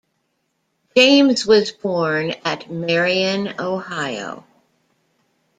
James was born at Marion, Ohio.